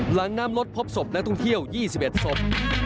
หลังน้ำรถพบศพนักท่องเที่ยว๒๑ศพ